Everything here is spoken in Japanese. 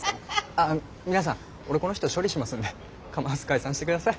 あ皆さん俺この人処理しますんで構わず解散して下さい。